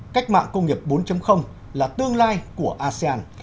cách mạng công nghiệp bốn là tương lai của asean